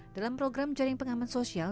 dalam program jaring pengaman sosial